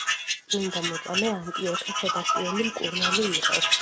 წმინდა მოწამე ანტიოქე სებასტიელი მკურნალი იყო.